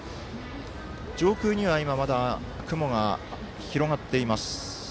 上空にはまだ雲が広がっています。